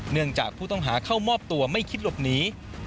เนื่องจากผู้ต้องหาเข้ามอบตัวไม่คิดหลบหนี